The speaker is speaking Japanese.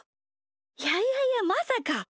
いやいやいやまさか。